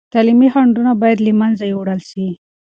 تعلیمي خنډونه باید له منځه یوړل سي.